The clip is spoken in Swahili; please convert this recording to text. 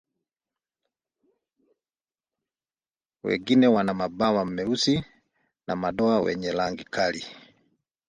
Wengine wana mabawa meusi na madoa wenye rangi kali.